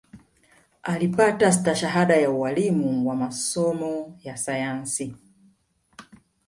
Alipata stashahada ya ualimu wa wa nasomo ya sayansi